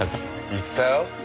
言ったよ。